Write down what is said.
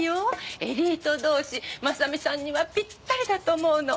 エリート同士真実さんにはぴったりだと思うの。